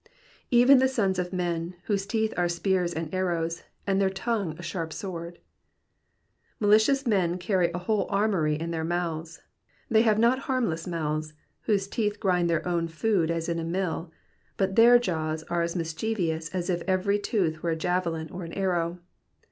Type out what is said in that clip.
'*J^wi the sans of men, %cho»e teeth are spears and arrows^ ami their tongue a sharp stoord,"*^ Malicious men carry a whole armoury in their mouths ; they have not harmless mouths, whose teeth grind their own food as in a mill, but their jaws are as mischie vous as if every tooth were a javelin or an arrow.